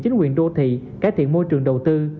chính quyền đô thị cải thiện môi trường đầu tư